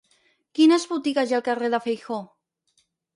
Quines botigues hi ha al carrer de Feijoo?